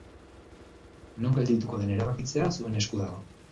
Non geldituko den erabakitzea zuen esku dago.